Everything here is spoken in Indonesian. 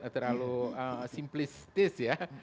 terlalu simplistis ya